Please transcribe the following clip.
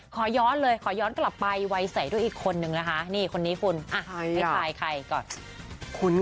ขอย้อนเลยขอย้อนกลับไปวัยใส่ด้วยอีกคนนึงนะคะนี่คนนี้คุณไม่ทายใครก่อน